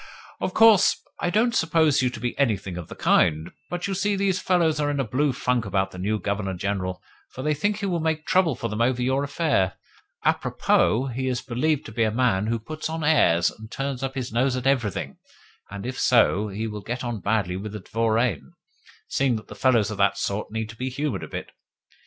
"Of course, I don't suppose you to be anything of the kind, but, you see, these fellows are in a blue funk about the new Governor General, for they think he will make trouble for them over your affair. A propos, he is believed to be a man who puts on airs, and turns up his nose at everything; and if so, he will get on badly with the dvoriane, seeing that fellows of that sort need to be humoured a bit.